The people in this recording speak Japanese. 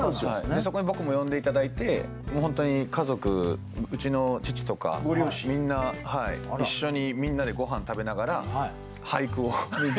そこに僕も呼んで頂いてもう本当に家族うちの父とかみんな一緒にみんなでごはん食べながら俳句をみんなで。